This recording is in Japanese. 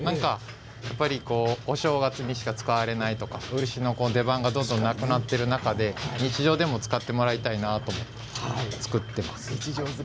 やっぱりお正月にしか使われないとか漆の出番がどんどんなくなっている中で日常でも使ってもらいたいなと作っています。